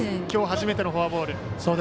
きょう初めてのフォアボール。